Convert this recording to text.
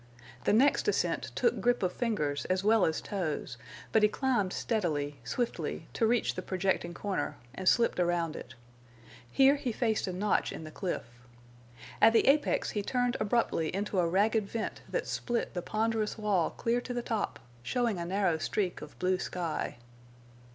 The next ascent took grip of fingers as well as toes, but he climbed steadily, swiftly, to reach the projecting corner, and slipped around it. Here he faced a notch in the cliff. At the apex he turned abruptly into a ragged vent that split the ponderous wall clear to the top, showing a narrow streak of blue sky.